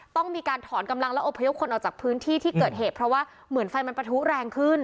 ต้องมีการถอนกำลังและอบพยพคนออกจากพื้นที่ที่เกิดเหตุเพราะว่าเหมือนไฟมันประทุแรงขึ้น